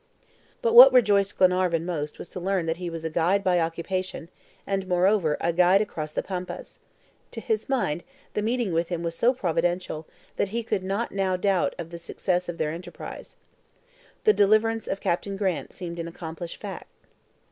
But what rejoiced Glenarvan most was to learn that he was a guide by occupation, and, moreover, a guide across the Pampas. To his mind, the meeting with him was so providential, that he could not doubt now of the success of their enterprise. The deliverance of Captain Grant seemed an accomplished fact.